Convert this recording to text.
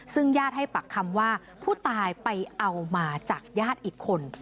ซึ่งญาติให้ปักคำว่าผู้ตายไปเอามาจากญาติอีกคน